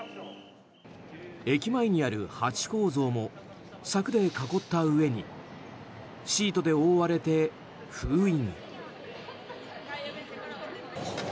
駅前にあるハチ公像も柵で囲ったうえにシートで覆われて封印。